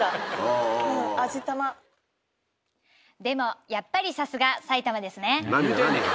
でもやっぱりさすが埼玉ですね。